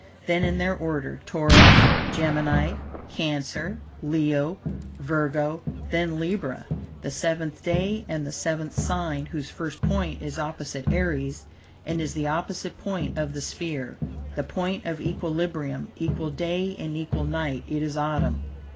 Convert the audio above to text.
Then, in their order, Taurus, Gemini, Cancer, Leo, Virgo; then Libra, the seventh day and the seventh sign, whose first point is opposite Aries and is the opposite point of the sphere, the point of equilibrium, equal day and equal night, it is autumn.